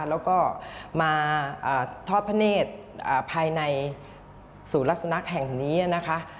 แล้วก็มาทอดพระเนธภายในสูตรลักษณะแห่งนี้นะคะ